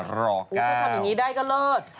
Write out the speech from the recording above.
ถ้าทำอย่างนี้ได้ก็เลิศ